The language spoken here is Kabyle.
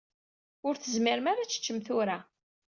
Ur tezmirem ara ad teččem tura.